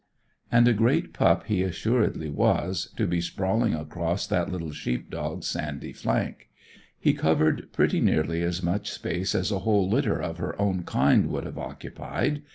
And a great pup he assuredly was, to be sprawling across that little sheep dog's sandy flank. He covered pretty nearly as much space as a whole litter of her own kind would have occupied.